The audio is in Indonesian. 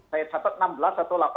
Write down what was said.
tadi saya catat enam belas